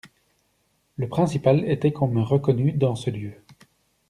Le principal était qu'on me reconnût dans ce lieu.